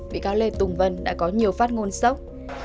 bị cáo lê tùng vân đã có nhiều phát ngôn sốc